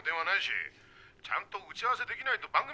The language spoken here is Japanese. ちゃんと打ち合わせできないと番組出せないよ！